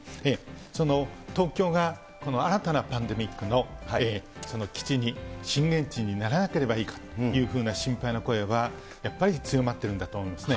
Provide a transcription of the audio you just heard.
その東京が新たなパンデミックの基地に、震源地にならなければいいがという心配の声はやっぱり強まっているんだと思いますね。